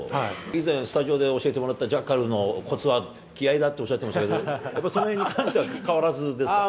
以前、スタジオで教えてもらったジャッカルのこつは気合いだっておっしゃってましたけど、やっぱりそのへんに関しては変わらずですか？